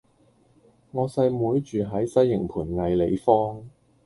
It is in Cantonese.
我細妹住喺西營盤藝里坊